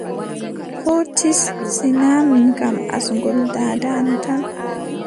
Koo tis, sinaa min kam asngol daada am tan.